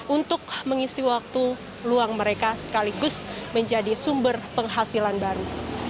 untuk mengisi waktu luang mereka sekaligus menjadi sumber penghasilan baru